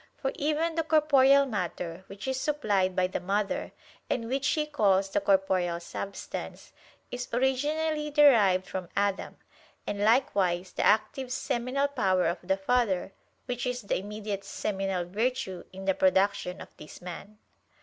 For even the corporeal matter, which is supplied by the mother, and which he calls the corporeal substance, is originally derived from Adam: and likewise the active seminal power of the father, which is the immediate seminal virtue (in the production) of this man.